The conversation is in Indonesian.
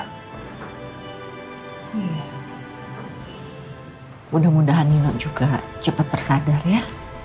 mudah mudahan nino juga cepat tersadar ya